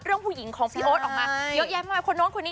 เรื่องผู้หญิงของพี่โอ๊ตออกมาเยอะแยะมาก